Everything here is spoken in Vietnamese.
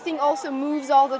tôi sống ở đây bây giờ